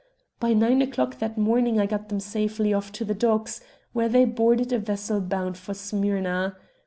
By nine o'clock that morning I got them safely off to the docks, where they boarded a vessel bound for Smyrna.